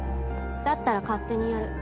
だったら勝手にやる。